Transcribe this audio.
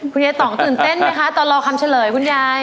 ยายต่องตื่นเต้นไหมคะตอนรอคำเฉลยคุณยาย